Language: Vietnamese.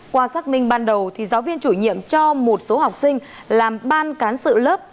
qua xác minh ban đầu giáo viên chủ nhiệm cho một số học sinh làm ban cán sự lớp